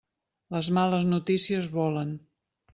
Les males notícies volen.